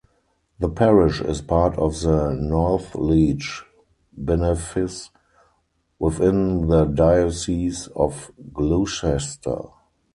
The parish is part of the Northleach benefice within the Diocese of Gloucester.